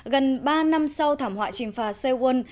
gần ba năm sau thảm họa chìm phà sewol